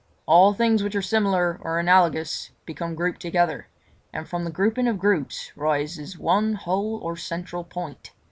All things which are similar or analogous become grouped together, and from the grouping of groups rises one whole or central point.